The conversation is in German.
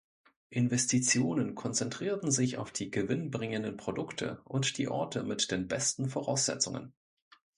Investitionen konzentrierten sich auf die gewinnbringenden Produkte und die Orte mit den besten Voraussetzungen.